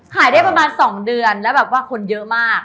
หายได้ประมาณ๒เดือนแล้วคนเยอะมาก